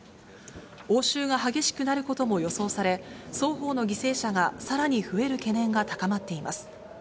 応酬が激しくなることも予想され、双方の犠牲者がさらに増える懸念が高まっています。